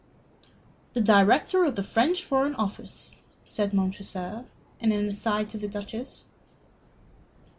"The director of the French Foreign Office," said Montresor, in an aside to the Duchess.